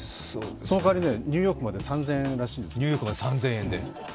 その代わり、ニューヨークまで３０００円らしいです。